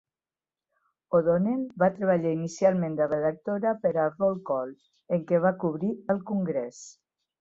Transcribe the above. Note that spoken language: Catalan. O'Donnell va treballar inicialment de redactora per a "Roll Call", en què va cobrir el Congrés.